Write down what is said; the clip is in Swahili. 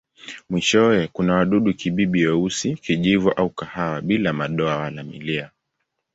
Mwishowe kuna wadudu-kibibi weusi, kijivu au kahawia bila madoa wala milia.